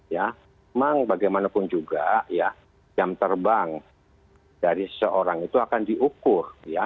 memang bagaimanapun juga jam terbang dari seorang itu akan diukur